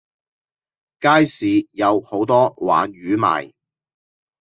街市有好多鯇魚賣